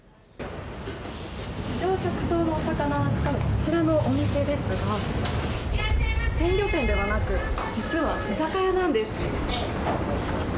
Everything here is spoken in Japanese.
直送のお魚を扱うこちらのお店ですが鮮魚店ではなく実は居酒屋なんです。